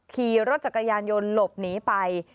ขี่รถจักรยานยนต์หลบหนีไป